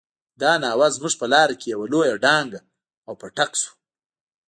دا ناوه زموږ په لاره کې يوه لويه ډانګه او پټک شو.